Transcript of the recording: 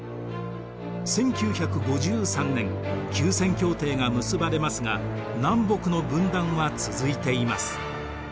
１９５３年休戦協定が結ばれますが南北の分断は続いています。